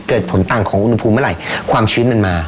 เกิดผลต่างของอุณหภูมิเมื่อไหร่ความชื้นมันมา